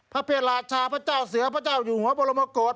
พระเภราชาพระเจ้าเสือพระเจ้าอยู่หัวบรมกฏ